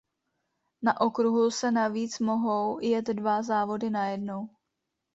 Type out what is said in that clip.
Na okruhu se navíc mohou jet dva závody najednou.